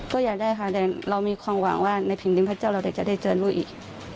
ก็อยากได้ค่ะแต่เรามีความหวังว่าในสิ่งนี้พระเจ้าเราจะได้เจอลูกอีก